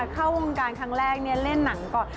เข้าวงการครั้งแรกเล่นหนังก่อน